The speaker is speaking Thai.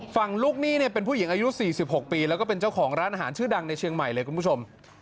ฝั่งลูกหนี้เนี่ยเป็นผู้หญิงอายุ๔๖ปีแล้วก็เป็นเจ้าของร้านอาหารชื่อดังในเชียงใหม่เลยคุณผู้ชม